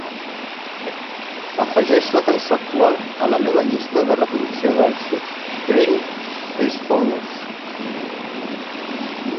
afegeix la cançó actual a la meva llista de reproducció de Six string peacefulness